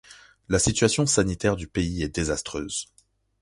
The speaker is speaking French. La situation sanitaire du pays est désastreuse.